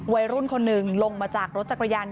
วัยรุ่นคนหนึ่งลงมาจากรถจักรยาน